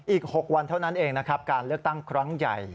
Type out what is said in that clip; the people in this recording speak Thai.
อีก๖วันเท่านั้นเองนะครับการเลือกตั้งครั้งใหญ่